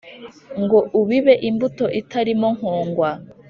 ngo ubibe imbuto itarimo nkongwa